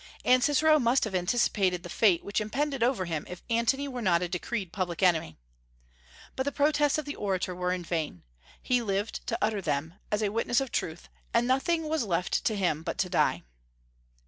And Cicero must have anticipated the fate which impended over him if Antony were not decreed a public enemy. But the protests of the orator were in vain. He lived to utter them, as a witness of truth; and nothing was left to him but to die.